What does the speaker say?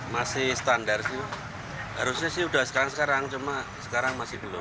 masih standar sih harusnya sih udah sekarang sekarang cuma sekarang masih belum